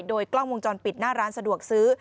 โดยกล้องวงจรปิดหน้าร้านสะดวกซื้อ